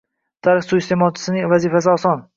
Tarix suiiste’molchisining vazifasi oson.